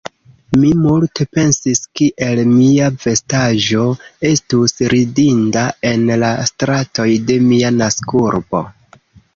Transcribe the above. Mi multe pensis, kiel mia vestaĵo estus ridinda en la stratoj de mia naskurbo.